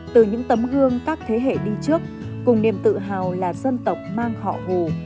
từ những tấm gương các thế hệ đi trước cùng niềm tự hào là dân tộc mang họ hồ